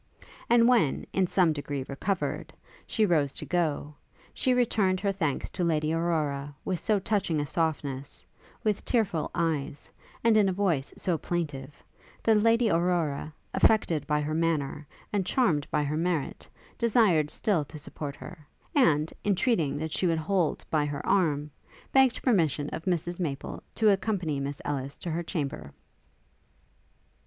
And when, in some degree recovered, she rose to go, she returned her thanks to Lady Aurora with so touching a softness, with tearful eyes, and in a voice so plaintive, that Lady Aurora, affected by her manner, and charmed by her merit, desired still to support her, and, entreating that she would hold by her arm, begged permission of Mrs Maple to accompany Miss Ellis to her chamber.